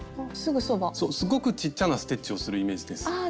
すごくちっちゃなステッチをするイメージです。